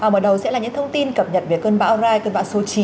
mở đầu sẽ là những thông tin cập nhật về cơn bão rai cơn bão số chín